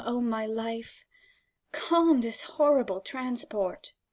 Calm, my life ! calm this horrible transport.